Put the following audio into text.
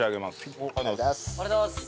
ありがとうございます。